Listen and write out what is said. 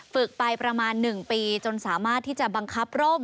ฝึกไปประมาณ๑ปีจนสามารถที่จะบังคับร่ม